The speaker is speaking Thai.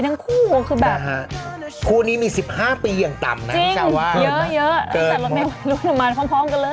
ทั้งคู่คือแบบคู่นี้มีสิบห้าปีอย่างต่ำนั้นใช่วะเยอะเยอะแล้วเป็น๐๒